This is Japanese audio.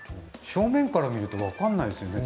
正面から見ると分からないですよね。